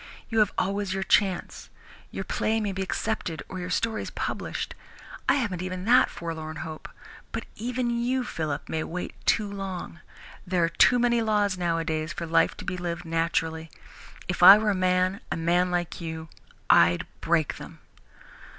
You have always your chance. Your play may be accepted or your stories published. I haven't even had that forlorn hope. But even you, Philip, may wait too long. There are too many laws, nowadays, for life to be lived naturally. If I were a man, a man like you, I'd break them."